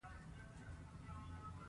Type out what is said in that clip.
بیا څو لسیزې بهرني عوامل پرې اغیز کوي.